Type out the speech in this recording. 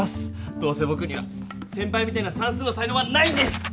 どうせぼくには先ぱいみたいな算数の才のうがないんです！